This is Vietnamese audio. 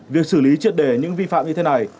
việc xử lý triệt đề những vi phạm như thế này